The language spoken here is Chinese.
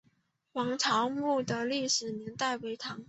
王潮墓的历史年代为唐。